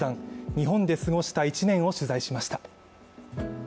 日本で過ごした１年を取材しました。